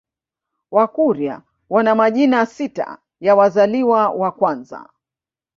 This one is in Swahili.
Wakurya wana majina sita ya wazaliwa wa kwanza